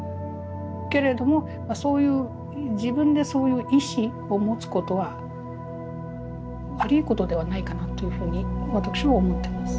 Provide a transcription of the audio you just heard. けれどもそういう自分でそういう意思を持つことは悪いことではないかなというふうに私は思ってます。